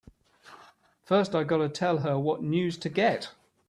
First I gotta tell her what news to get!